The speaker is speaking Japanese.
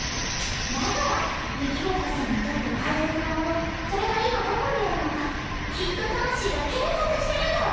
だからユキゴッホさんにとって大切なものそれが今どこにあるのかきっと魂が検索してるんだわ！